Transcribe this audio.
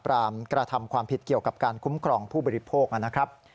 กระทำความผิดเกี่ยวกับการคุ้มครองผู้บริโภคนะครับ